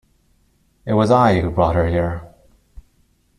It was I who brought her here.